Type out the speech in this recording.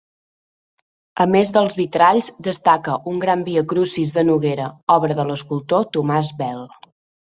A més dels vitralls, destaca un gran viacrucis de noguera, obra de l'escultor Tomàs Bel.